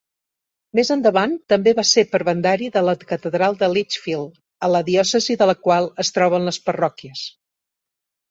Més endavant també va ser prebendari de la catedral de Lichfield, en la diòcesi de la qual es troben les parròquies.